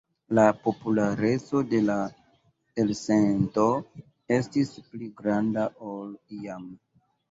La populareco de la elsendo estis pli granda ol iam.